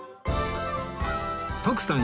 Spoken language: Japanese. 徳さん